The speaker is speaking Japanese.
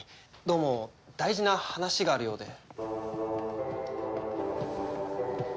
どうも大事な話があるようで。